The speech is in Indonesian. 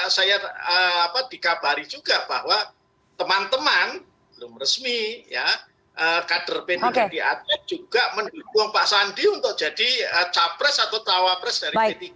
saya dikabari juga bahwa teman teman belum resmi kader p tiga juga mendukung pak sandi untuk jadi capres atau tawapres dari p tiga